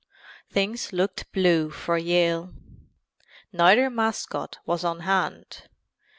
Things looked blue for Yale. Neither mascot was on hand.